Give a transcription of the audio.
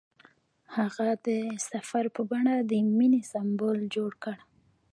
هغه د سفر په بڼه د مینې سمبول جوړ کړ.